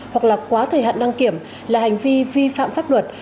hoặc là quá thời hạn đăng kiểm là hành vi vi phạm pháp luật